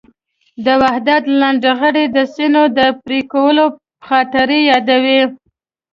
د وحدت لنډهغري د سینو د پرېکولو خاطرې یادوي.